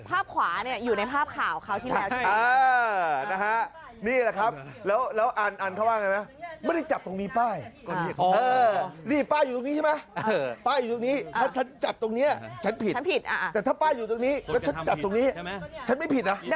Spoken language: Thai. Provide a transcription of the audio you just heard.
ภาพขวาเนี่ยอยู่ในภาพขาวเค้าที่ใน